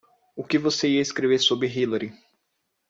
O que você ia escrever sobre Hillary?